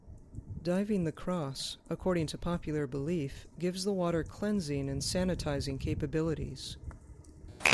Diving the Cross, according to popular belief gives the water cleansing and sanitizing capabilities.